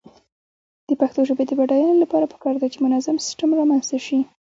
د پښتو ژبې د بډاینې لپاره پکار ده چې منظم سیسټم رامنځته شي.